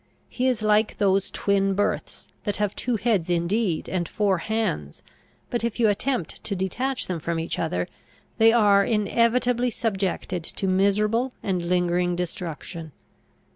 He is like those twin births, that have two heads indeed, and four hands; but, if you attempt to detach them from each other, they are inevitably subjected to miserable and lingering destruction.